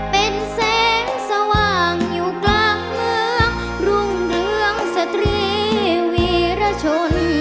เป็นแสงสว่างอยู่กลางเมืองรุ่งเรืองสตรีวีรชน